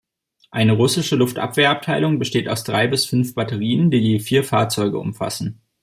Eine russische Luftabwehr-Abteilung besteht aus drei bis fünf Batterien, die je vier Fahrzeuge umfassen.